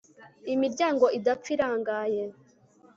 imiryango idapfa irangaye